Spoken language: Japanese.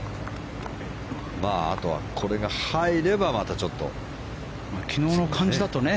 あとは、これが入ればまたちょっと次がね。